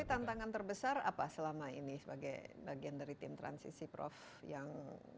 tapi tantangan terbesar apa selama ini sebagai bagian dari tim transisi prof yang